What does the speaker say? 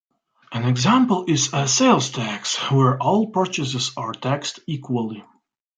An example is a sales tax where all purchases are taxed equally.